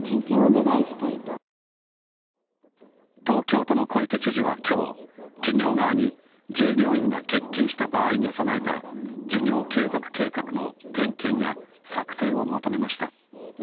東京都の小池都知事はきょう、企業側に、従業員が欠勤した場合に備えた事業継続計画の点検や策定を求めました。